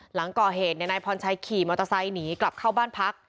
หลังก่อเหตุนายพรชัยขี่มอเตอร์ไซค์หนีกลับเข้าบ้านพัก